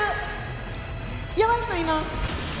やばい人います！